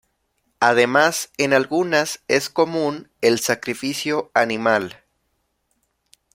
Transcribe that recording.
Además en algunas es común el sacrificio animal.